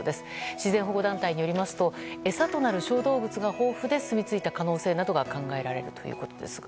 自然保護団体によりますと餌となる小動物が豊富ですみ着いた可能性などが考えられるということですが。